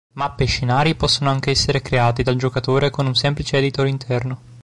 Mappe e scenari possono anche essere creati dal giocatore con un semplice editor interno.